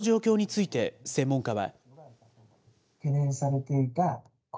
この状況について、専門家は。